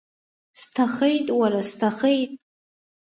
Сҭахеит, уара, сҭахеит!